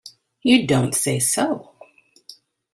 You don't say so!